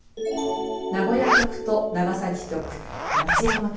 名古屋局と長崎局。